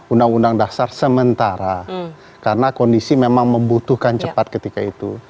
uud sementara karena kondisi memang membutuhkan cepat ketika itu